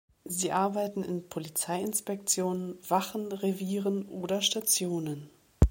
Sie arbeiten in Polizeiinspektionen, -wachen, -revieren oder -stationen.